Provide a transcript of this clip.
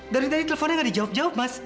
dari tadi teleponnya gak dijawab jawab mas